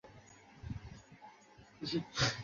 রঘুপতি ক্রুদ্ধ হইয়া বলিলেন, চুপ করো।